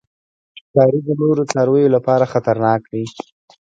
ښکاري د نورو څارویو لپاره خطرناک دی.